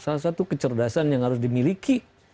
salah satu kecerdasan yang harus dimiliki